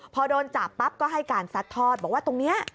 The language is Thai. พอโดนจับปั๊บก็ให้การซัดทอดบอกว่าตรงนี้